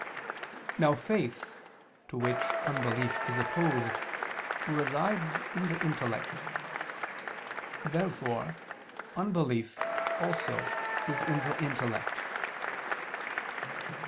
Now faith, to which unbelief is opposed, resides in the intellect. Therefore unbelief also is in the intellect.